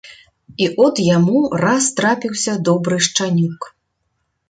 І от яму раз трапіўся добры шчанюк.